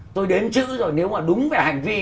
tôi đến chữ rồi nếu mà đúng về hành vi